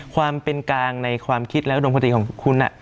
ความเป็นกลางในความคิดและอุดมคติของคุณ